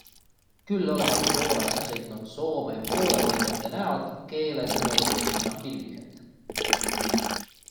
Küll olevat Poolasse sõitnud Soome poolehoidjate näod Keele sõnul üsna pilvised.